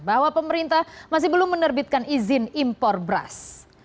bahwa pemerintah masih belum menerbitkan izin impor beras